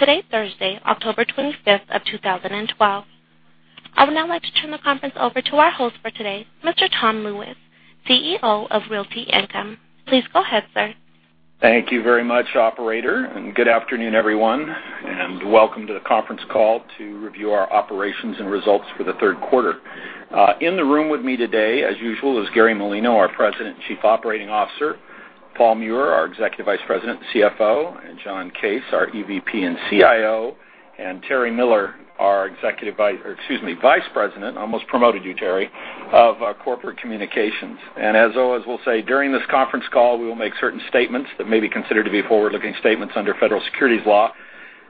Today, Thursday, October 25th of 2012. I would now like to turn the conference over to our host for today, Mr. Tom Lewis, CEO of Realty Income. Please go ahead, sir. Thank you very much, operator, and good afternoon, everyone, and welcome to the conference call to review our operations and results for the third quarter. In the room with me today, as usual, is Gary Malino, our President and Chief Operating Officer, Paul Meurer, our Executive Vice President and CFO, John Case, our EVP and CIO, and Terry Miller, our Vice President, almost promoted you, Terry, of Corporate Communications. As always, we'll say, during this conference call, we will make certain statements that may be considered to be forward-looking statements under federal securities law.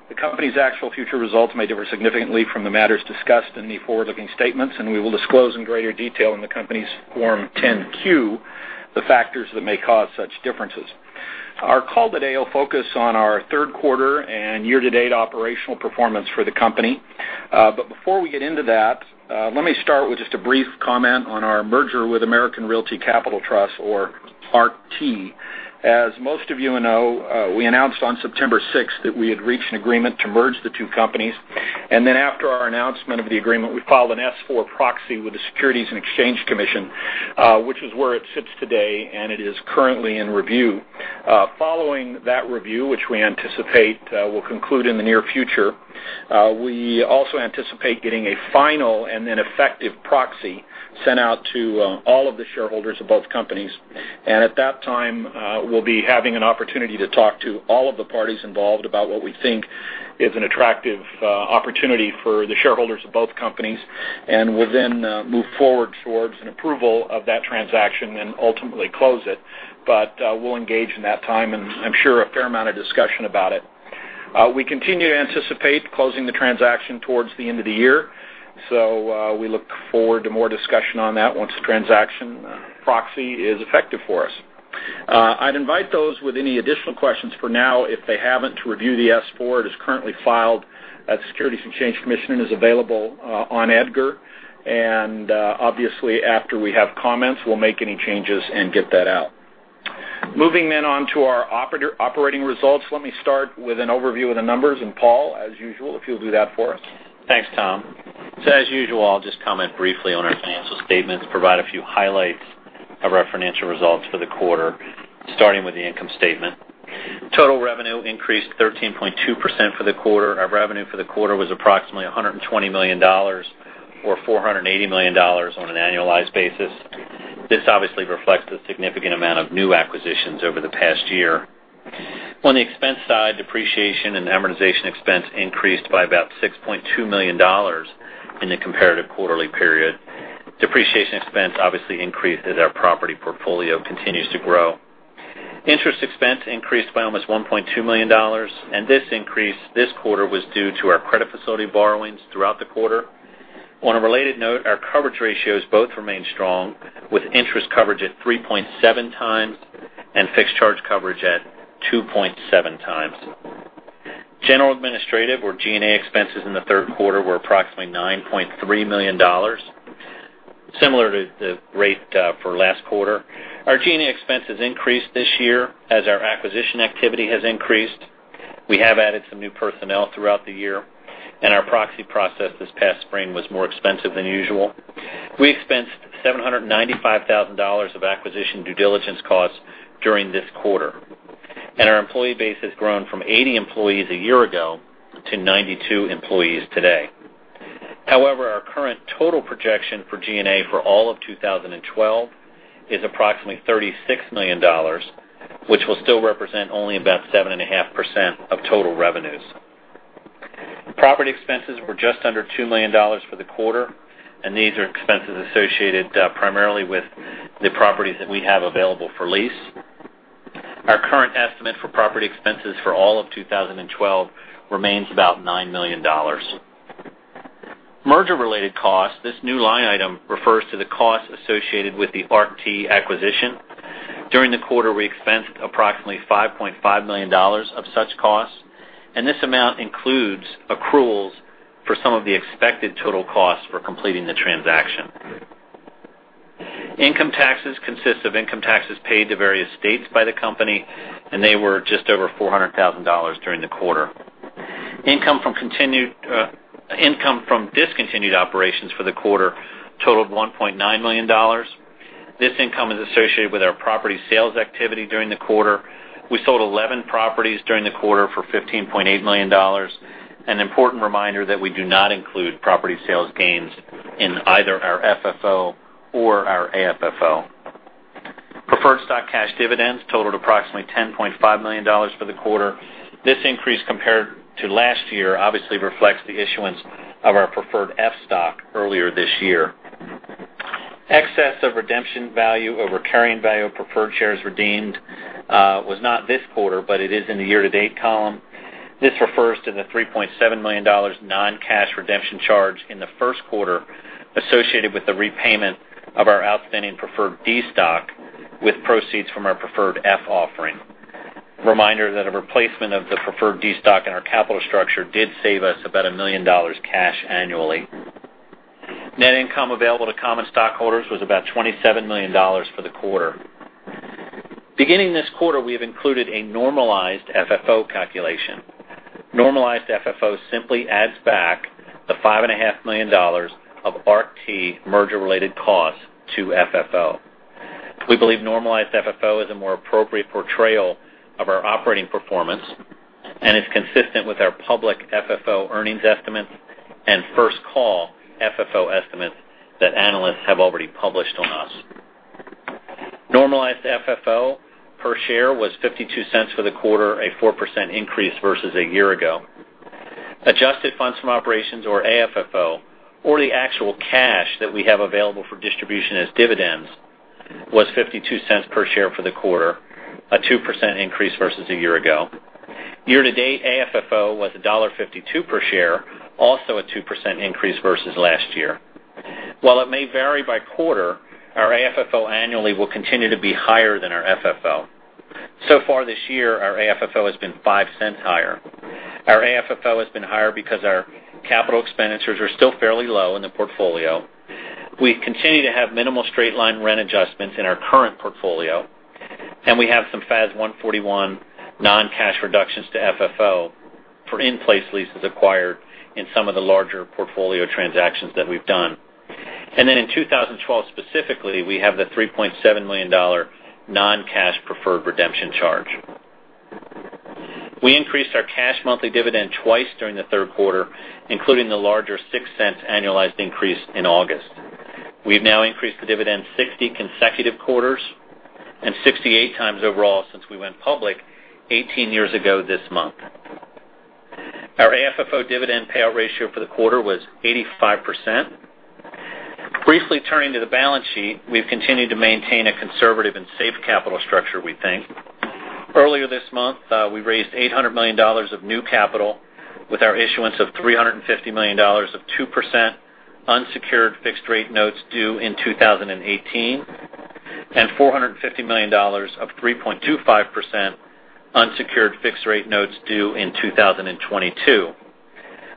The company's actual future results may differ significantly from the matters discussed in the forward-looking statements, and we will disclose in greater detail in the company's Form 10-Q the factors that may cause such differences. Our call today will focus on our third quarter and year-to-date operational performance for the company. Before we get into that, let me start with just a brief comment on our merger with American Realty Capital Trust, or ARCT. As most of you know, we announced on September 6th that we had reached an agreement to merge the two companies. Then after our announcement of the agreement, we filed an S4 proxy with the Securities and Exchange Commission, which is where it sits today, and it is currently in review. Following that review, which we anticipate will conclude in the near future, we also anticipate getting a final and an effective proxy sent out to all of the shareholders of both companies. At that time, we'll be having an opportunity to talk to all of the parties involved about what we think is an attractive opportunity for the shareholders of both companies, and we'll then move forward towards an approval of that transaction and ultimately close it. We'll engage in that time in, I'm sure, a fair amount of discussion about it. We continue to anticipate closing the transaction towards the end of the year, so we look forward to more discussion on that once the transaction proxy is effective for us. I'd invite those with any additional questions for now, if they haven't, to review the S4. It is currently filed at the Securities and Exchange Commission and is available on EDGAR. Obviously, after we have comments, we'll make any changes and get that out. Moving on to our operating results, let me start with an overview of the numbers, Paul, as usual, if you'll do that for us. Thanks, Tom. As usual, I'll just comment briefly on our financial statements, provide a few highlights of our financial results for the quarter, starting with the income statement. Total revenue increased 13.2% for the quarter. Our revenue for the quarter was approximately $120 million, or $480 million on an annualized basis. This obviously reflects the significant amount of new acquisitions over the past year. On the expense side, depreciation and amortization expense increased by about $6.2 million in the comparative quarterly period. Depreciation expense obviously increased as our property portfolio continues to grow. Interest expense increased by almost $1.2 million, this increase this quarter was due to our credit facility borrowings throughout the quarter. On a related note, our coverage ratios both remained strong, with interest coverage at 3.7 times and fixed charge coverage at 2.7 times. General administrative, or G&A, expenses in the third quarter were approximately $9.3 million, similar to the rate for last quarter. Our G&A expenses increased this year as our acquisition activity has increased. We have added some new personnel throughout the year, our proxy process this past spring was more expensive than usual. We expensed $795,000 of acquisition due diligence costs during this quarter, our employee base has grown from 80 employees a year ago to 92 employees today. However, our current total projection for G&A for all of 2012 is approximately $36 million, which will still represent only about 7.5% of total revenues. Property expenses were just under $2 million for the quarter, these are expenses associated primarily with the properties that we have available for lease. Our current estimate for property expenses for all of 2012 remains about $9 million. Merger-related costs, this new line item refers to the costs associated with the ARCT acquisition. During the quarter, we expensed approximately $5.5 million of such costs, this amount includes accruals for some of the expected total costs for completing the transaction. Income taxes consist of income taxes paid to various states by the company, they were just over $400,000 during the quarter. Income from discontinued operations for the quarter totaled $1.9 million. This income is associated with our property sales activity during the quarter. We sold 11 properties during the quarter for $15.8 million. An important reminder that we do not include property sales gains in either our FFO or our AFFO. Preferred stock cash dividends totaled approximately $10.5 million for the quarter. This increase compared to last year obviously reflects the issuance of our preferred F stock earlier this year. Excess of redemption value over carrying value of preferred shares redeemed was not this quarter, but it is in the year-to-date column. This refers to the $3.7 million non-cash redemption charge in the first quarter associated with the repayment of our outstanding preferred D stock with proceeds from our preferred F offering. Reminder that a replacement of the preferred D stock in our capital structure did save us about $1 million cash annually. Net income available to common stockholders was about $27 million for the quarter. Beginning this quarter, we have included a normalized FFO calculation. Normalized FFO simply adds back the $5.5 million of ARCT merger-related costs to FFO. We believe normalized FFO is a more appropriate portrayal of our operating performance and is consistent with our public FFO earnings estimates and first call FFO estimates that analysts have already published on us. Normalized FFO per share was $0.52 for the quarter, a 4% increase versus a year ago. Adjusted funds from operations or AFFO, or the actual cash that we have available for distribution as dividends, was $0.52 per share for the quarter, a 2% increase versus a year ago. Year-to-date AFFO was $1.52 per share, also a 2% increase versus last year. While it may vary by quarter, our AFFO annually will continue to be higher than our FFO. So far this year, our AFFO has been $0.05 higher. Our AFFO has been higher because our capital expenditures are still fairly low in the portfolio. We continue to have minimal straight-line rent adjustments in our current portfolio, and we have some FAS 141 non-cash reductions to FFO for in-place leases acquired in some of the larger portfolio transactions that we've done. In 2012, specifically, we have the $3.7 million non-cash preferred redemption charge. We increased our cash monthly dividend twice during the third quarter, including the larger $0.06 annualized increase in August. We've now increased the dividend 60 consecutive quarters and 68 times overall since we went public 18 years ago this month. Our AFFO dividend payout ratio for the quarter was 85%. Briefly turning to the balance sheet, we've continued to maintain a conservative and safe capital structure, we think. Earlier this month, we raised $800 million of new capital with our issuance of $350 million of 2% unsecured fixed-rate notes due in 2018 and $450 million of 3.25% unsecured fixed-rate notes due in 2022.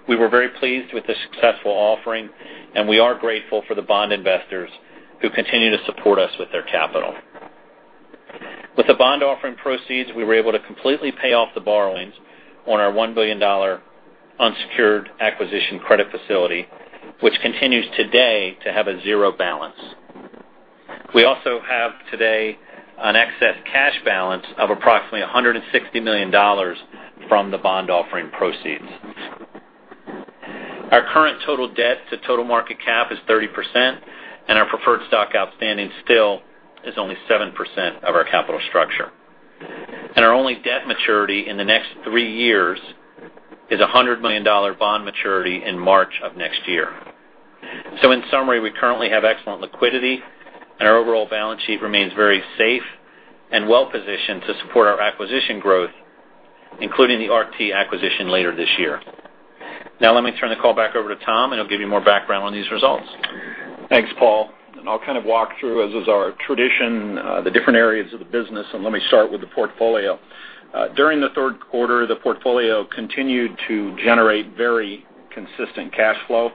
We were very pleased with the successful offering, and we are grateful for the bond investors who continue to support us with their capital. With the bond offering proceeds, we were able to completely pay off the borrowings on our $1 billion unsecured acquisition credit facility, which continues today to have a zero balance. We also have today an excess cash balance of approximately $160 million from the bond offering proceeds. Our current total debt to total market cap is 30%, and our preferred stock outstanding still is only 7% of our capital structure. Our only debt maturity in the next three years is a $100 million bond maturity in March of next year. In summary, we currently have excellent liquidity, and our overall balance sheet remains very safe and well-positioned to support our acquisition growth, including the ARCT acquisition later this year. Let me turn the call back over to Tom, and he'll give you more background on these results. Thanks, Paul. I'll kind of walk through, as is our tradition, the different areas of the business, and let me start with the portfolio. During the third quarter, the portfolio continued to generate very consistent cash flow,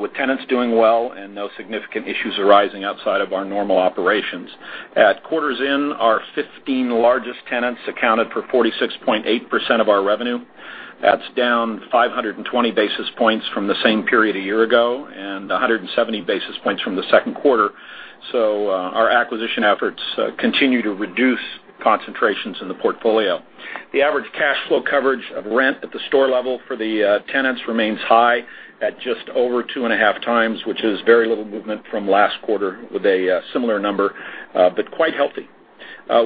with tenants doing well and no significant issues arising outside of our normal operations. At quarter's end, our 15 largest tenants accounted for 46.8% of our revenue. That's down 520 basis points from the same period a year ago and 170 basis points from the second quarter. Our acquisition efforts continue to reduce concentrations in the portfolio. The average cash flow coverage of rent at the store level for the tenants remains high at just over two and a half times, which is very little movement from last quarter with a similar number, but quite healthy.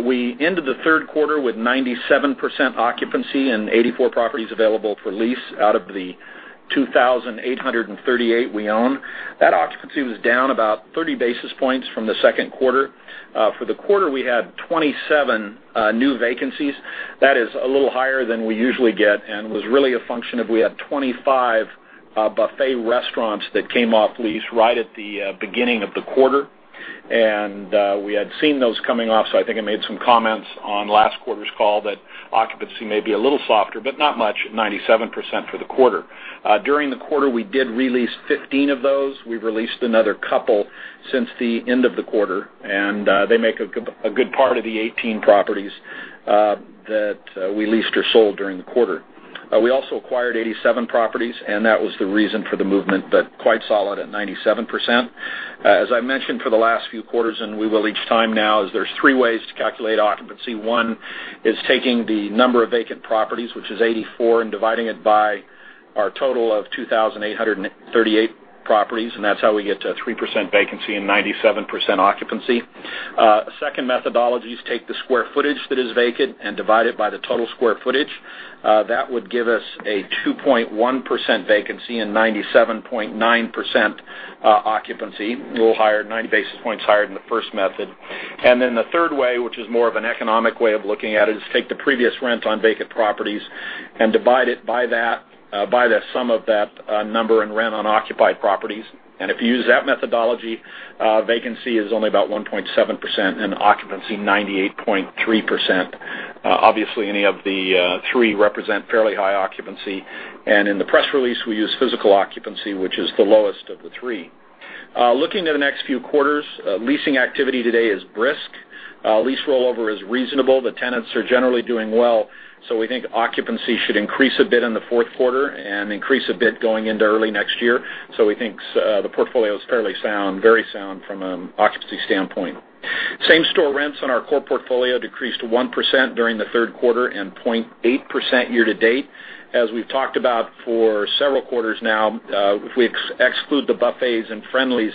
We ended the third quarter with 97% occupancy and 84 properties available for lease out of the 2,838 we own. That occupancy was down about 30 basis points from the second quarter. For the quarter, we had 27 new vacancies. That is a little higher than we usually get and was really a function of we had 25 buffet restaurants that came off lease right at the beginning of the quarter. We had seen those coming off, so I think I made some comments on last quarter's call that occupancy may be a little softer, but not much at 97% for the quarter. During the quarter, we did re-lease 15 of those. We've released another couple since the end of the quarter, and they make a good part of the 18 properties that we leased or sold during the quarter. We also acquired 87 properties, that was the reason for the movement, but quite solid at 97%. As I mentioned for the last few quarters, and we will each time now, there's three ways to calculate occupancy. One is taking the number of vacant properties, which is 84, and dividing it by our total of 2,838 properties, and that's how we get to 3% vacancy and 97% occupancy. A second methodology is take the square footage that is vacant and divide it by the total square footage. That would give us a 2.1% vacancy and 97.9% occupancy, a little higher, 90 basis points higher than the first method. The third way, which is more of an economic way of looking at it, is take the previous rent on vacant properties and divide it by the sum of that number and rent on occupied properties. If you use that methodology, vacancy is only about 1.7% and occupancy 98.3%. Obviously, any of the three represent fairly high occupancy. In the press release, we use physical occupancy, which is the lowest of the three. Looking to the next few quarters, leasing activity today is brisk. Lease rollover is reasonable. The tenants are generally doing well. We think occupancy should increase a bit in the fourth quarter and increase a bit going into early next year. We think the portfolio is fairly sound, very sound from an occupancy standpoint. Same-store rents on our core portfolio decreased 1% during the third quarter and 0.8% year-to-date. As we've talked about for several quarters now, if we exclude the Buffets and Friendly's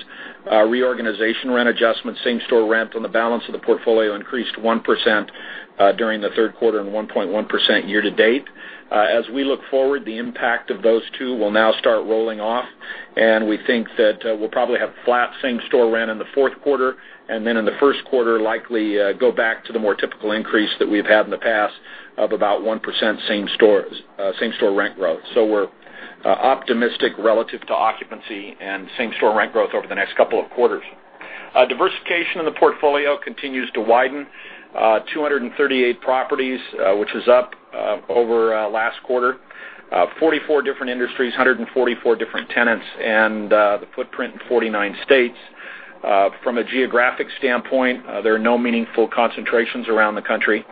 reorganization rent adjustment, same-store rent on the balance of the portfolio increased 1% during the third quarter and 1.1% year-to-date. As we look forward, the impact of those two will now start rolling off. We think that we'll probably have flat same-store rent in the fourth quarter. Then in the first quarter, likely go back to the more typical increase that we've had in the past of about 1% same-store rent growth. We're optimistic relative to occupancy and same-store rent growth over the next couple of quarters. Diversification in the portfolio continues to widen. 238 properties, which is up over last quarter. 44 different industries, 144 different tenants, the footprint in 49 states. From a geographic standpoint, there are no meaningful concentrations around the country.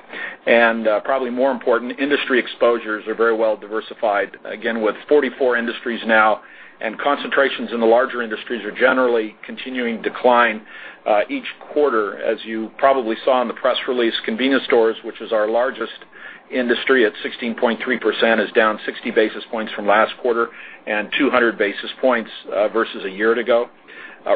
Probably more important, industry exposures are very well diversified, again, with 44 industries now, concentrations in the larger industries are generally continuing to decline each quarter. As you probably saw in the press release, convenience stores, which is our largest industry at 16.3%, is down 60 basis points from last quarter 200 basis points versus a year ago.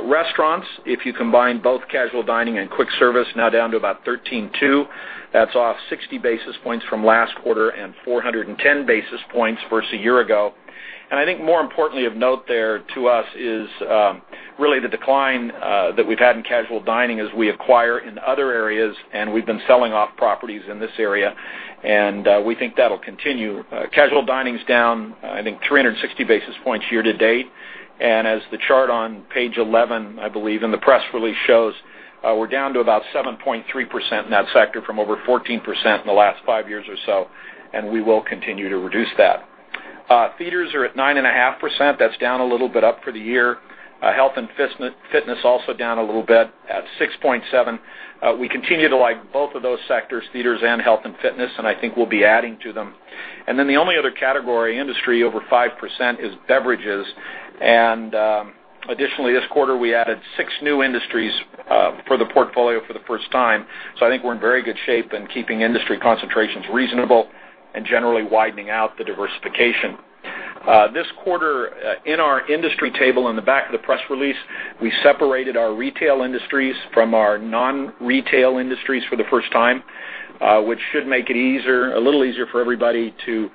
Restaurants, if you combine both casual dining and quick service, now down to about 13.2%. That's off 60 basis points from last quarter 410 basis points versus a year ago. I think more importantly of note there to us is really the decline that we've had in casual dining as we acquire in other areas. We've been selling off properties in this area. We think that'll continue. Casual dining's down, I think 360 basis points year-to-date. As the chart on page 11, I believe, in the press release shows, we're down to about 7.3% in that sector from over 14% in the last five years or so. We will continue to reduce that. Theaters are at 9.5%. That's down a little bit, up for the year. Health and fitness also down a little bit at 6.7%. We continue to like both of those sectors, theaters and health and fitness. I think we'll be adding to them. The only other category industry over 5% is beverages. Additionally, this quarter, we added six new industries for the portfolio for the first time. I think we're in very good shape in keeping industry concentrations reasonable generally widening out the diversification. This quarter, in our industry table in the back of the press release, we separated our retail industries from our non-retail industries for the first time, which should make it a little easier for everybody to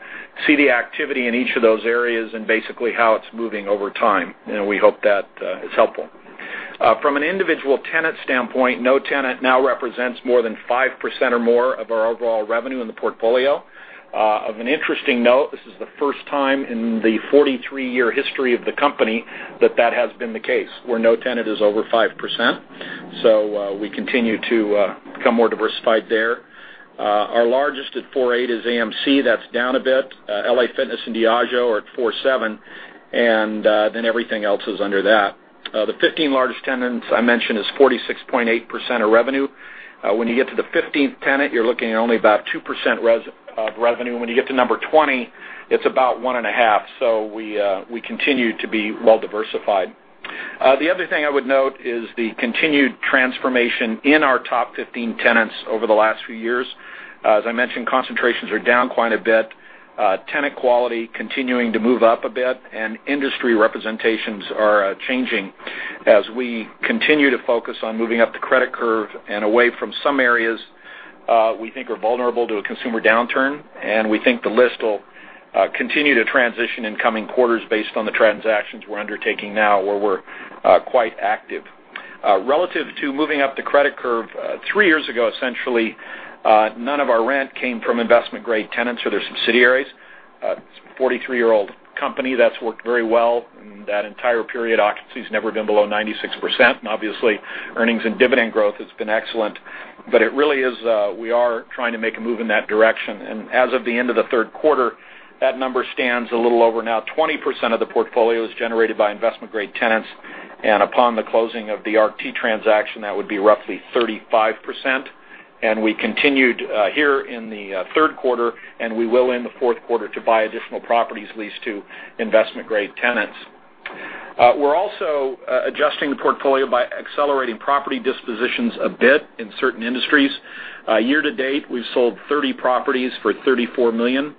see the activity in each of those areas basically how it's moving over time. We hope that is helpful. From an individual tenant standpoint, no tenant now represents more than 5% or more of our overall revenue in the portfolio. Of an interesting note, this is the first time in the 43-year history of the company that has been the case, where no tenant is over 5%. We continue to become more diversified there. Our largest at 4.8% is AMC. That's down a bit. LA Fitness and Diageo are at 4.7%. Everything else is under that. The 15 largest tenants I mentioned is 46.8% of revenue. When you get to the 15th tenant, you're looking at only about 2% of revenue. When you get to number 20, it's about 1.5%. We continue to be well-diversified. The other thing I would note is the continued transformation in our top 15 tenants over the last few years. As I mentioned, concentrations are down quite a bit. Tenant quality continuing to move up a bit, and industry representations are changing as we continue to focus on moving up the credit curve and away from some areas we think are vulnerable to a consumer downturn. We think the list will continue to transition in coming quarters based on the transactions we're undertaking now, where we're quite active. Relative to moving up the credit curve, three years ago, essentially, none of our rent came from investment-grade tenants or their subsidiaries. 43-year-old company, that's worked very well. In that entire period, occupancy's never been below 96%. We are trying to make a move in that direction. As of the end of the third quarter, that number stands a little over now 20% of the portfolio is generated by investment-grade tenants. Upon the closing of the ARCT transaction, that would be roughly 35%. We continued here in the third quarter, and we will in the fourth quarter to buy additional properties leased to investment-grade tenants. We're also adjusting the portfolio by accelerating property dispositions a bit in certain industries. Year-to-date, we've sold 30 properties for $34 million.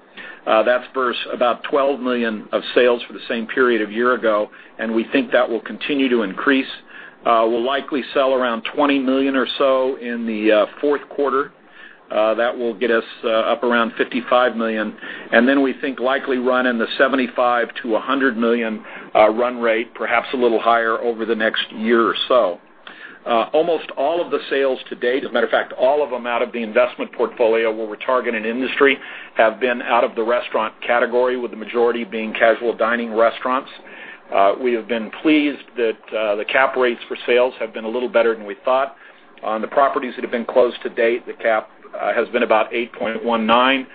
That spurs about $12 million of sales for the same period of year ago, and we think that will continue to increase. We'll likely sell around $20 million or so in the fourth quarter. That will get us up around $55 million. We think likely run in the $75 million-$100 million run rate, perhaps a little higher over the next year or so. Almost all of the sales to date, as a matter of fact, all of them out of the investment portfolio where we're targeting industry, have been out of the restaurant category, with the majority being casual dining restaurants. We have been pleased that the cap rates for sales have been a little better than we thought. On the properties that have been closed to date, the cap has been about 8.19%.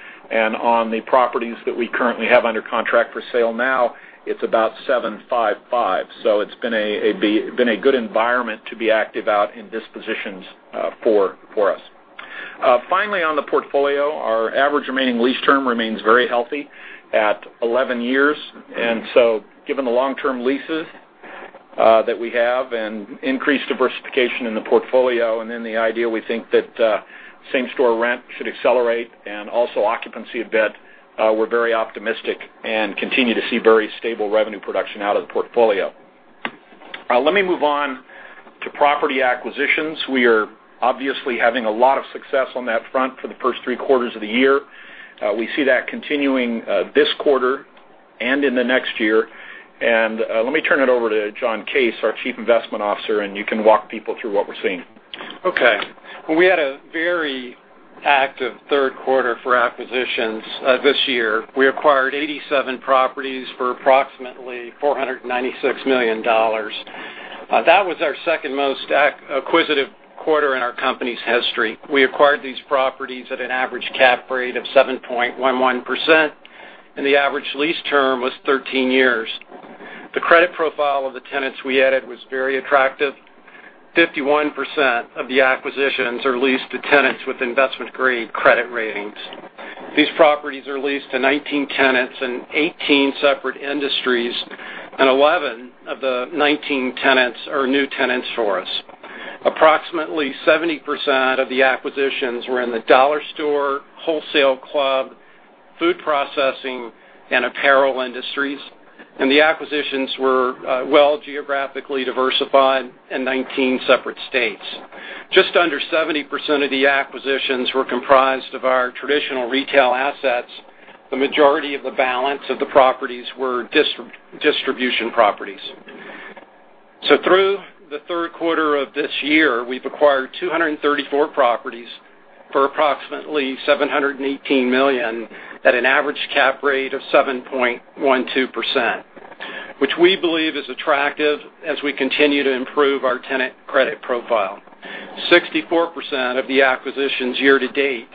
On the properties that we currently have under contract for sale now, it's about 7.55%. It's been a good environment to be active out in dispositions for us. Finally, on the portfolio, our average remaining lease term remains very healthy at 11 years. Given the long-term leases that we have and increased diversification in the portfolio, and then the idea, we think that same-store rent should accelerate and also occupancy a bit, we're very optimistic and continue to see very stable revenue production out of the portfolio. Let me move on to property acquisitions. We are obviously having a lot of success on that front for the first three quarters of the year. We see that continuing this quarter and in the next year. Let me turn it over to John Case, our Chief Investment Officer, and you can walk people through what we're seeing. We had a very active third quarter for acquisitions this year. We acquired 87 properties for approximately $496 million. That was our second-most acquisitive quarter in our company's history. We acquired these properties at an average cap rate of 7.11%, and the average lease term was 13 years. The credit profile of the tenants we added was very attractive. 51% of the acquisitions are leased to tenants with investment-grade credit ratings. These properties are leased to 19 tenants in 18 separate industries, and 11 of the 19 tenants are new tenants for us. Approximately 70% of the acquisitions were in the dollar store, wholesale club, food processing, and apparel industries, and the acquisitions were well geographically diversified in 19 separate states. Just under 70% of the acquisitions were comprised of our traditional retail assets. The majority of the balance of the properties were distribution properties. Through the third quarter of this year, we've acquired 234 properties for approximately $718 million at an average cap rate of 7.12%, which we believe is attractive as we continue to improve our tenant credit profile. 64% of the acquisitions year-to-date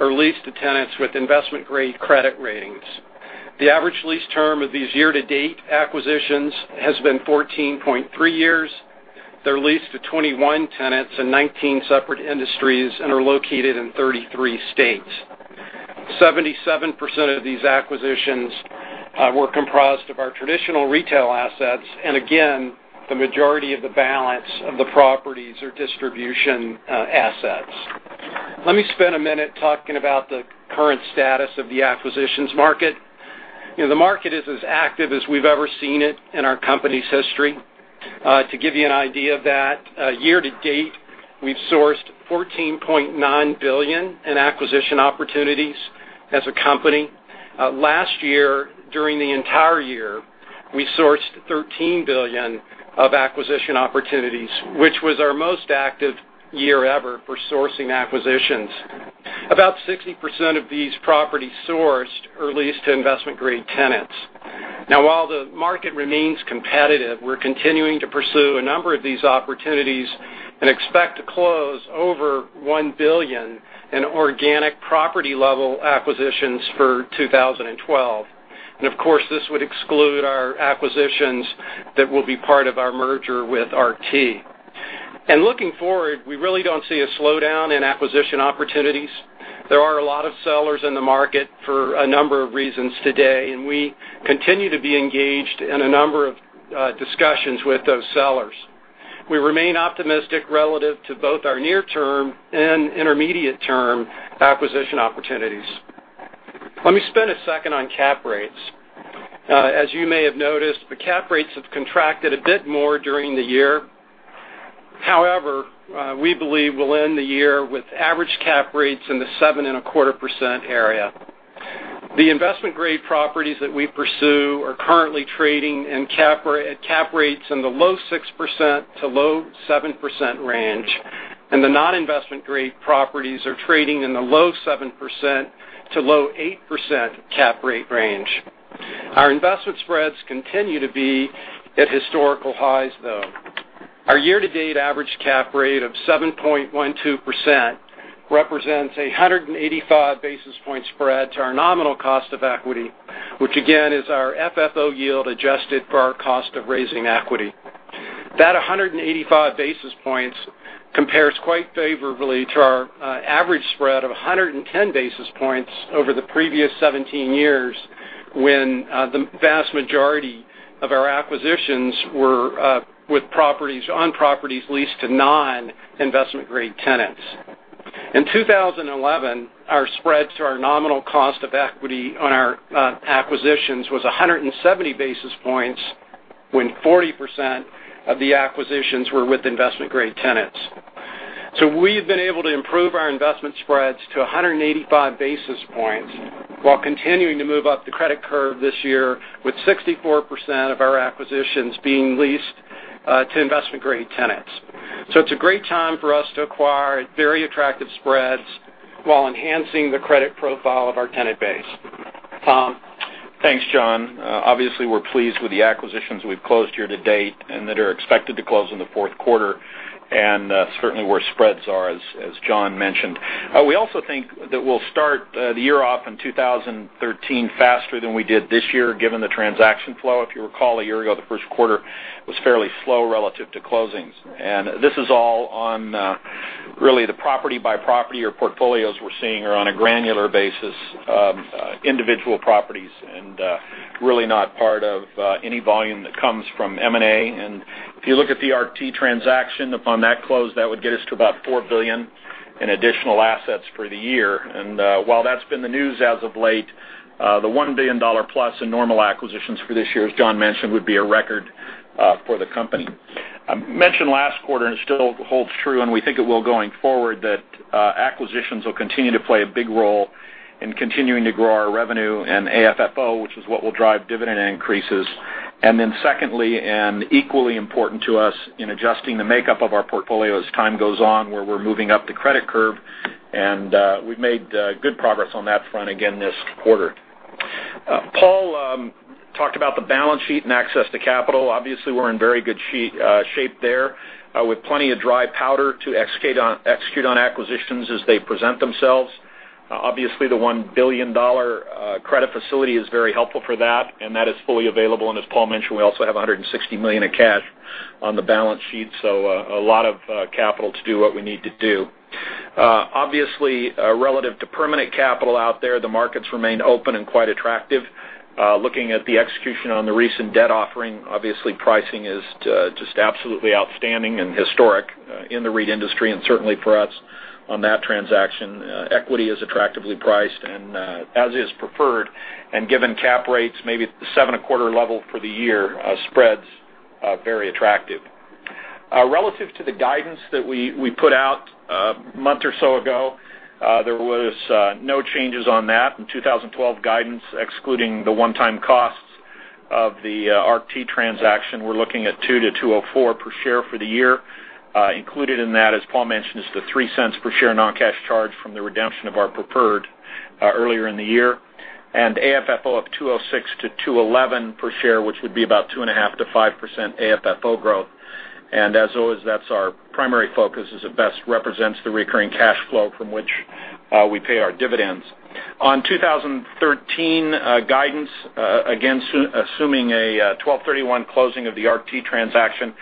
are leased to tenants with investment-grade credit ratings. The average lease term of these year-to-date acquisitions has been 14.3 years. They're leased to 21 tenants in 19 separate industries and are located in 33 states. 77% of these acquisitions were comprised of our traditional retail assets, and again, the majority of the balance of the properties are distribution assets. Let me spend a minute talking about the current status of the acquisitions market. The market is as active as we've ever seen it in our company's history. To give you an idea of that, year-to-date, we've sourced $14.9 billion in acquisition opportunities as a company. Last year, during the entire year, we sourced $13 billion of acquisition opportunities, which was our most active year ever for sourcing acquisitions. About 60% of these properties sourced are leased to investment-grade tenants. While the market remains competitive, we're continuing to pursue a number of these opportunities and expect to close over $1 billion in organic property-level acquisitions for 2012. Of course, this would exclude our acquisitions that will be part of our merger with ARCT. Looking forward, we really don't see a slowdown in acquisition opportunities. There are a lot of sellers in the market for a number of reasons today, and we continue to be engaged in a number of discussions with those sellers. We remain optimistic relative to both our near-term and intermediate-term acquisition opportunities. Let me spend a second on cap rates. As you may have noticed, the cap rates have contracted a bit more during the year. However, we believe we'll end the year with average cap rates in the 7.25% area. The investment-grade properties that we pursue are currently trading at cap rates in the low 6%-7% range, and the non-investment grade properties are trading in the low 7%-8% cap rate range. Our investment spreads continue to be at historical highs, though. Our year-to-date average cap rate of 7.12% represents a 185-basis-point spread to our nominal cost of equity, which again, is our FFO yield adjusted for our cost of raising equity. That 185 basis points compares quite favorably to our average spread of 110 basis points over the previous 17 years when the vast majority of our acquisitions were on properties leased to non-investment-grade tenants. In 2011, our spread to our nominal cost of equity on our acquisitions was 170 basis points when 40% of the acquisitions were with investment-grade tenants. We've been able to improve our investment spreads to 185 basis points while continuing to move up the credit curve this year, with 64% of our acquisitions being leased to investment-grade tenants. It's a great time for us to acquire very attractive spreads while enhancing the credit profile of our tenant base. Tom? Thanks, John. Obviously, we're pleased with the acquisitions we've closed year-to-date and that are expected to close in the fourth quarter, and certainly where spreads are, as John mentioned. We also think that we'll start the year off in 2013 faster than we did this year, given the transaction flow. If you recall, a year ago, the first quarter was fairly slow relative to closings. This is all on really the property-by-property or portfolios we're seeing are on a granular basis, individual properties, and really not part of any volume that comes from M&A. If you look at the ARCT transaction, upon that close, that would get us to about $4 billion in additional assets for the year. While that's been the news as of late, the $1 billion-plus in normal acquisitions for this year, as John mentioned, would be a record for the company. I mentioned last quarter, it still holds true, and we think it will going forward, that acquisitions will continue to play a big role in continuing to grow our revenue and AFFO, which is what will drive dividend increases. Then secondly, equally important to us in adjusting the makeup of our portfolio as time goes on, where we're moving up the credit curve, we've made good progress on that front again this quarter. Paul talked about the balance sheet and access to capital. Obviously, we're in very good shape there, with plenty of dry powder to execute on acquisitions as they present themselves. Obviously, the $1 billion credit facility is very helpful for that, and that is fully available. As Paul mentioned, we also have $160 million in cash on the balance sheet, a lot of capital to do what we need to do. Obviously, relative to permanent capital out there, the markets remain open and quite attractive. Looking at the execution on the recent debt offering, obviously pricing is just absolutely outstanding and historic in the REIT industry and certainly for us on that transaction. Equity is attractively priced as is preferred, given cap rates maybe at the 7.25% level for the year, spreads are very attractive. Relative to the guidance that we put out a month or so ago, there was no changes on that. In 2012 guidance, excluding the one-time costs of the ARCT transaction, we're looking at $2.00-$2.04 per share for the year. Included in that, as Paul mentioned, is the $0.03 per share non-cash charge from the redemption of our preferred earlier in the year. AFFO of $2.06-$2.11 per share, which would be about 2.5%-5% AFFO growth. As always, that's our primary focus as it best represents the recurring cash flow from which we pay our dividends. On 2013 guidance, again, assuming a 12/31 closing of the ARCT transaction,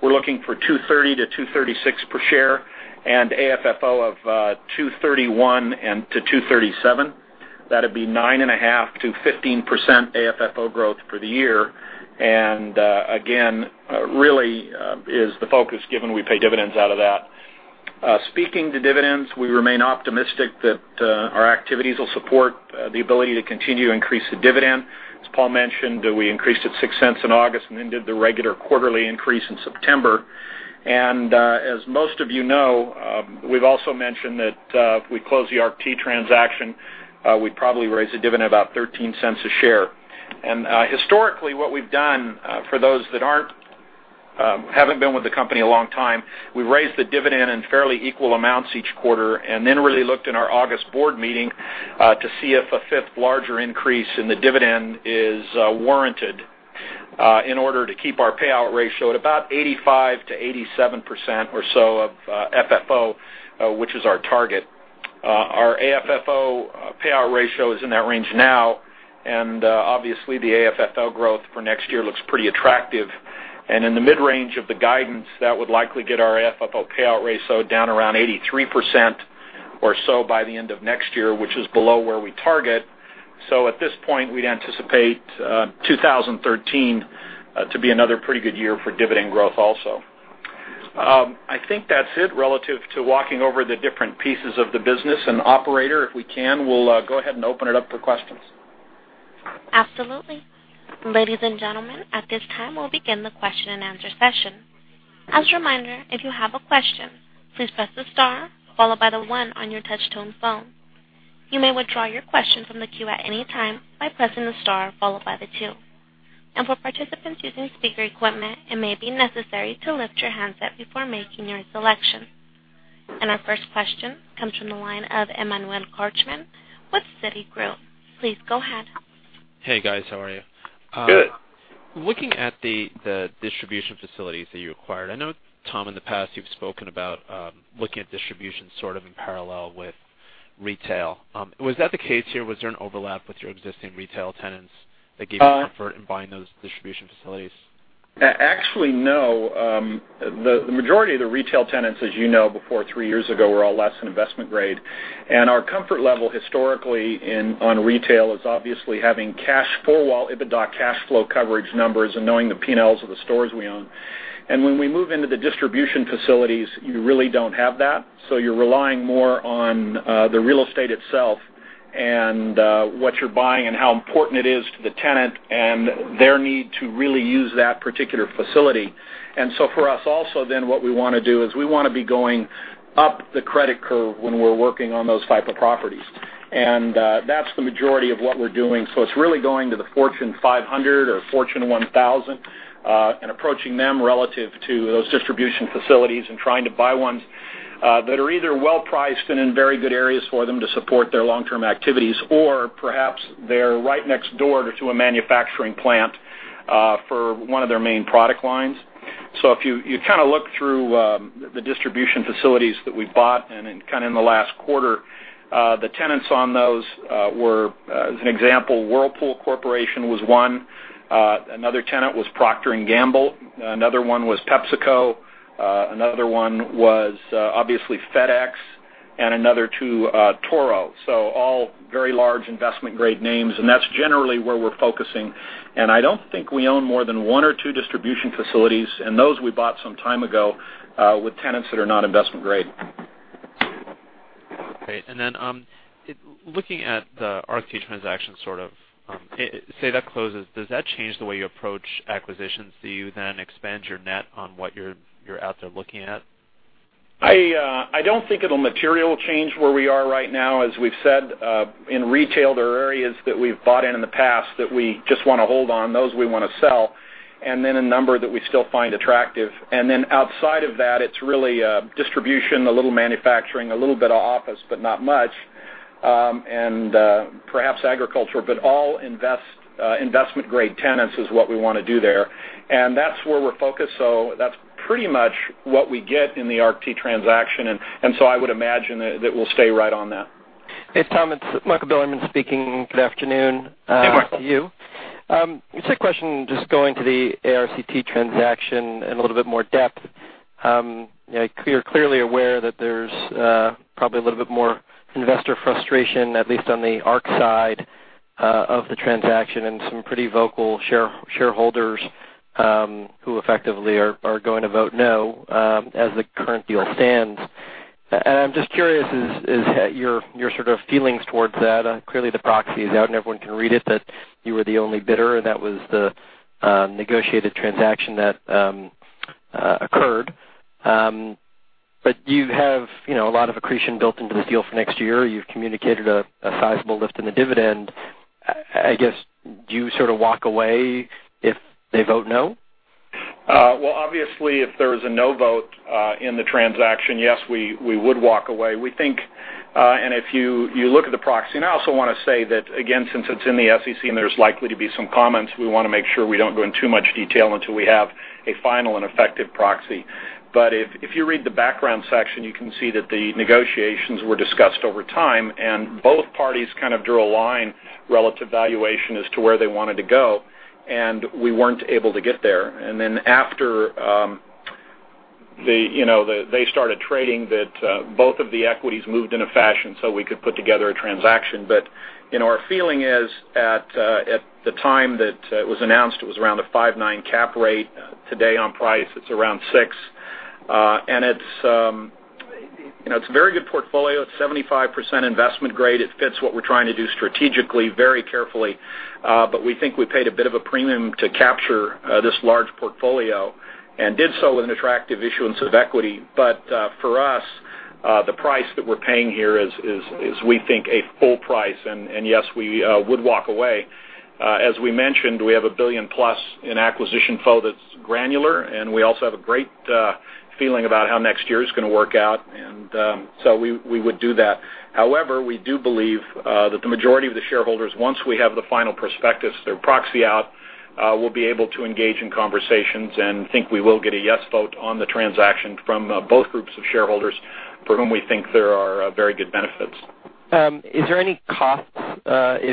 we're looking for $2.30-$2.36 per share and AFFO of $2.31-$2.37. That'd be 9.5%-15% AFFO growth for the year. Again, really is the focus given we pay dividends out of that. Speaking to dividends, we remain optimistic that our activities will support the ability to continue to increase the dividend. As Paul mentioned, we increased it $0.06 in August and then did the regular quarterly increase in September. As most of you know, we've also mentioned that if we close the ARCT transaction, we'd probably raise the dividend about $0.13 a share. Historically, what we've done for those that haven't been with the company a long time, we've raised the dividend in fairly equal amounts each quarter, then really looked in our August board meeting to see if a fifth larger increase in the dividend is warranted in order to keep our payout ratio at about 85%-87% or so of FFO, which is our target. Our AFFO payout ratio is in that range now, and obviously, the AFFO growth for next year looks pretty attractive. In the mid-range of the guidance, that would likely get our AFFO payout ratio down around 83% or so by the end of next year, which is below where we target. At this point, we'd anticipate 2013 to be another pretty good year for dividend growth also. I think that's it relative to walking over the different pieces of the business. Operator, if we can, we'll go ahead and open it up for questions. Absolutely. Ladies and gentlemen, at this time, we'll begin the question-and-answer session. As a reminder, if you have a question, please press the star followed by the one on your touch-tone phone. You may withdraw your question from the queue at any time by pressing the star followed by the two. For participants using speaker equipment, it may be necessary to lift your handset before making your selection. Our first question comes from the line of Emmanuel Korchman with Citigroup. Please go ahead. Hey, guys. How are you? Good. Looking at the distribution facilities that you acquired, I know, Tom, in the past, you've spoken about looking at distribution sort of in parallel with retail. Was that the case here? Was there an overlap with your existing retail tenants that gave you comfort in buying those distribution facilities? Actually, no. The majority of the retail tenants, as you know, before three years ago, were all less than investment grade. Our comfort level historically on retail is obviously having cash flow while EBITDA cash flow coverage numbers and knowing the P&Ls of the stores we own. When we move into the distribution facilities, you really don't have that. You're relying more on the real estate itself and what you're buying and how important it is to the tenant and their need to really use that particular facility. For us also then, what we want to do is we want to be going up the credit curve when we're working on those type of properties. That's the majority of what we're doing. It's really going to the Fortune 500 or Fortune 1000 and approaching them relative to those distribution facilities and trying to buy ones that are either well-priced and in very good areas for them to support their long-term activities, or perhaps they're right next door to a manufacturing plant for one of their main product lines. If you look through the distribution facilities that we've bought, and in the last quarter, the tenants on those were, as an example, Whirlpool Corporation was one. Another tenant was Procter & Gamble. Another one was PepsiCo. Another one was, obviously, FedEx, and another two, Toro. All very large investment-grade names, and that's generally where we're focusing. I don't think we own more than one or two distribution facilities, and those we bought some time ago, with tenants that are not investment-grade. Great. Looking at the ARCT transaction sort of, say that closes, does that change the way you approach acquisitions? Do you then expand your net on what you're out there looking at? I don't think it'll material change where we are right now. As we've said, in retail, there are areas that we've bought in in the past that we just want to hold on. Those we want to sell, a number that we still find attractive. Outside of that, it's really distribution, a little manufacturing, a little bit of office, but not much. Perhaps agriculture, but all investment-grade tenants is what we want to do there. That's where we're focused. That's pretty much what we get in the ARCT transaction, I would imagine that we'll stay right on that. Hey, Tom, it's Michael Bilerman speaking. Good afternoon. Hey, Mike. To you. Going to the ARCT transaction in a little bit more depth. You're clearly aware that there's probably a little bit more investor frustration, at least on the ARCT side of the transaction, and some pretty vocal shareholders, who effectively are going to vote no, as the current deal stands. I'm just curious, is your sort of feelings towards that. Clearly, the proxy is out and everyone can read it, that you were the only bidder, and that was the negotiated transaction that occurred. You have a lot of accretion built into the deal for next year. You've communicated a sizable lift in the dividend. I guess, do you sort of walk away if they vote no? Obviously, if there is a no vote in the transaction, yes, we would walk away. If you look at the proxy, I also want to say that, again, since it's in the SEC and there's likely to be some comments, we want to make sure we don't go in too much detail until we have a final and effective proxy. If you read the background section, you can see that the negotiations were discussed over time, and both parties kind of drew a line relative to valuation as to where they wanted to go, and we weren't able to get there. After they started trading, both of the equities moved in a fashion so we could put together a transaction. Our feeling is at the time that it was announced, it was around a 5.9 cap rate. Today on price, it's around 6. It's a very good portfolio. It's 75% investment grade. It fits what we're trying to do strategically, very carefully. We think we paid a bit of a premium to capture this large portfolio and did so with an attractive issuance of equity. For us, the price that we're paying here is, we think, a full price. Yes, we would walk away. As we mentioned, we have a $1 billion-plus in acquisition FFO that's granular, and we also have a great feeling about how next year is going to work out. We would do that. However, we do believe that the majority of the shareholders, once we have the final prospectus, their proxy out, will be able to engage in conversations and think we will get a yes vote on the transaction from both groups of shareholders for whom we think there are very good benefits. Is there any costs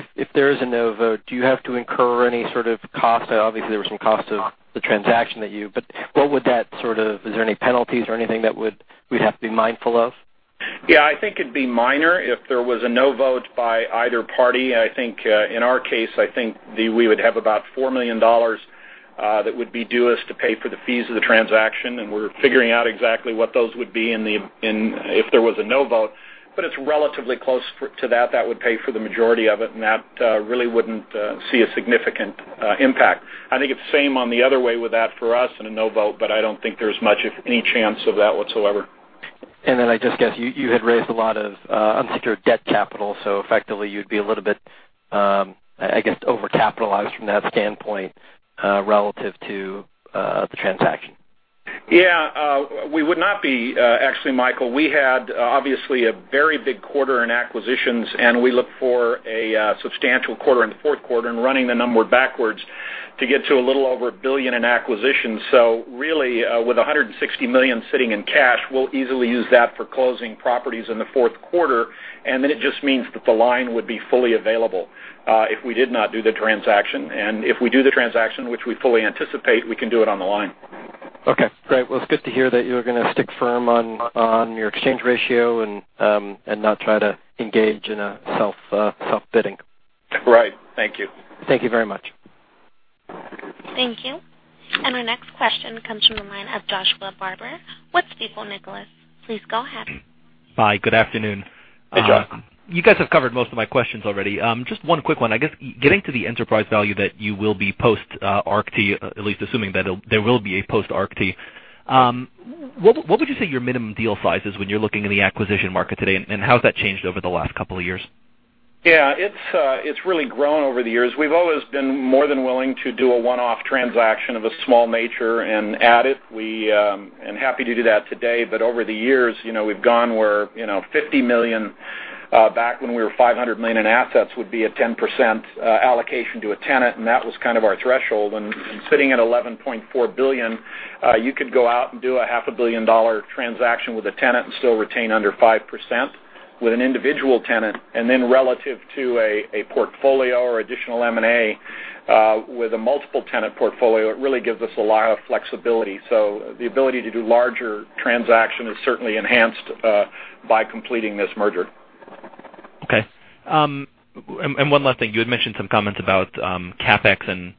if there is a no vote? Do you have to incur any sort of cost? Obviously, there were some costs of the transaction. Is there any penalties or anything that we'd have to be mindful of? Yeah, I think it'd be minor if there was a no vote by either party. In our case, I think we would have about $4 million that would be due us to pay for the fees of the transaction, and we're figuring out exactly what those would be if there was a no vote, but it's relatively close to that. That would pay for the majority of it, and that really wouldn't see a significant impact. I think it's same on the other way with that for us in a no vote, but I don't think there's much of any chance of that whatsoever. I just guess you had raised a lot of unsecured debt capital, so effectively you'd be a little bit, I guess, over-capitalized from that standpoint, relative to the transaction. Yeah. We would not be, actually, Michael. We had, obviously, a very big quarter in acquisitions, and we look for a substantial quarter in the fourth quarter and running the number backwards to get to a little over $1 billion in acquisitions. Really, with $160 million sitting in cash, we'll easily use that for closing properties in the fourth quarter. It just means that the line would be fully available if we did not do the transaction. If we do the transaction, which we fully anticipate, we can do it on the line. Okay, great. Well, it's good to hear that you're gonna stick firm on your exchange ratio and not try to engage in a self-bidding. Right. Thank you. Thank you very much. Thank you. Our next question comes from the line of Joshua Barber with Stifel, Nicolaus. Please go ahead. Hi, good afternoon. Hey, Josh. You guys have covered most of my questions already. Just one quick one. I guess, getting to the enterprise value that you will be post-ARCT, at least assuming that there will be a post-ARCT, what would you say your minimum deal size is when you're looking in the acquisition market today, and how has that changed over the last couple of years? Yeah, it's really grown over the years. We've always been more than willing to do a one-off transaction of a small nature and add it. We're happy to do that today, but over the years, we've gone where $50 million, back when we were $500 million in assets, would be a 10% allocation to a tenant, and that was kind of our threshold. Sitting at $11.4 billion, you could go out and do a half a billion-dollar transaction with a tenant and still retain under 5% with an individual tenant, then relative to a portfolio or additional M&A with a multiple-tenant portfolio, it really gives us a lot of flexibility. The ability to do larger transactions is certainly enhanced by completing this merger. Okay. One last thing. You had mentioned some comments about CapEx and